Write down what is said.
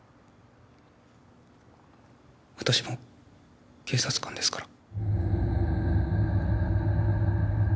私も警察官ですから。